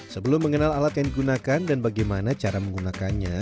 sebelum mengenal alat yang digunakan dan bagaimana cara menggunakannya